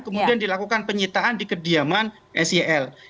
kemudian dilakukan penyitaan di kediaman sel